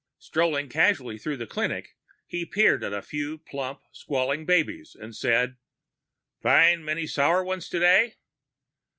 Strolling casually through the clinic, he peered at a few plump, squalling babies, and said, "Find many sour ones today?"